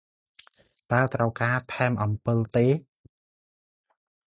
តើត្រូវការថែមអំពិលទេ?